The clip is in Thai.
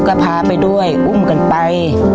ก็พาไปด้วยอุ้มกันไป